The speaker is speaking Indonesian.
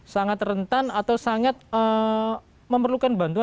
seharusnya gimana sisanya cara itu